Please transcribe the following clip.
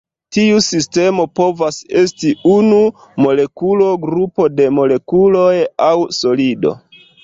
Tiu sistemo povas esti unu molekulo, grupo de molekuloj aŭ solido.